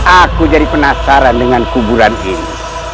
aku jadi penasaran dengan kuburan ini